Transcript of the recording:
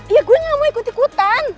ya gue gak mau ikut ikutan